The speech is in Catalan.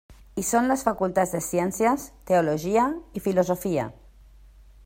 Hi són les facultats de Ciències, Teologia i Filosofia.